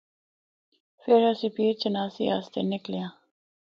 فر اسّیں پیر چناسی اسطے نِکلیاں۔